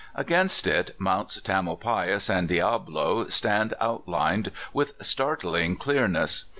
Against it, Mounts Tamal pais and Diablo stand outlined with startling clear ness.